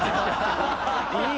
いい！